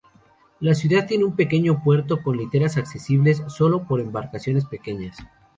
La ciudad tiene un pequeño puerto con literas accesibles solo por embarcaciones pequeñas.